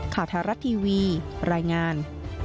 ขาวธารัตน์ทีวีรายงาน